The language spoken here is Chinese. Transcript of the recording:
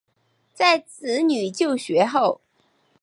在子女就学后